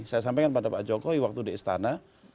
saya sampaikan pada pak jokowi waktu di istana